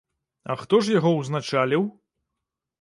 А хто ж яго ўзначаліў?